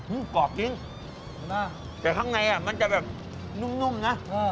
อื้มกรอบจริงใช่ป่ะแต่ข้างในอ่ะมันจะแบบนุ่มนุ่มนะอ่า